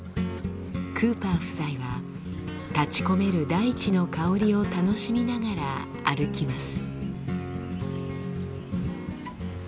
クーパー夫妻は立ち込める大地の香りを楽しみながら歩きます。